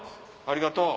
ありがとう。